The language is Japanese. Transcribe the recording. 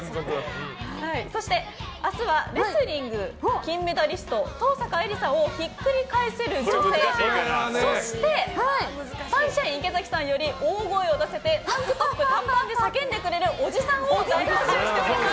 そして、明日はレスリング金メダリスト登坂絵莉さんをひっくり返せる女性そしてサンシャイン池崎さんより大声を出せてタンクトップ短パンで叫んでくれるおじさんを大募集しております。